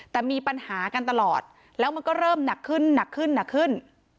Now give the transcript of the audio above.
แต่มีปัญหากันตลอดแล้วมันก็เริ่มหนักขึ้นหนักขึ้นหนักขึ้น